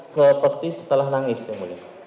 seperti setelah nangis yang mulia